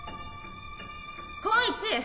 光一！